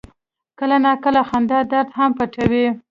کله ناکله خندا درد هم پټوي.